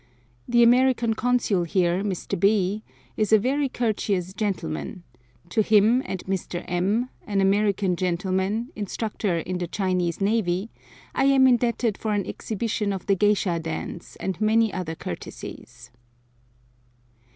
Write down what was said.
The American consul here, Mr. B, is a very courteous gentleman; to him and Mr. M, an American gentleman, instructor in the Chinese navy, I am indebted for an exhibition of the geisha dance, and many other courtesies.